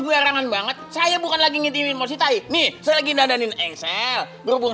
gue rangan banget saya bukan lagi ngintipin posisi ini selagi nadanin engsel berhubung